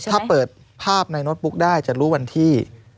ถ้าเปิดภาพในโน้ตบุ๊กได้จะรู้วันที่